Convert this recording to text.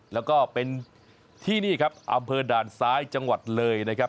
แล้วก็เป็นที่นี่ครับอำเภอด่านซ้ายจังหวัดเลยนะครับ